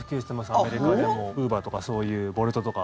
アメリカでもウーバーとかそういうボルトとか。